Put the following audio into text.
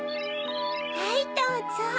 はいどうぞ。